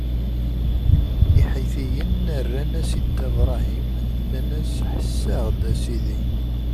Iḥitiyen rran-as i Dda Bṛahim, nnan-as: Ḥess-aɣ-d, a sidi!